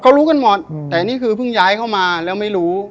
เขารู้กันหมดแต่นี่คือเพิ่งย้ายเข้ามาแล้วไม่รู้